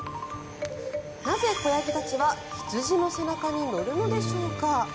なぜ子ヤギたちは羊の背中に乗るのでしょうか。